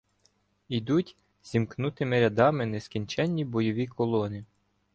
Ідуть зімкнутими рядами нескінченні бойові колони.